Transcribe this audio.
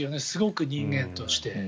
すごく人間として。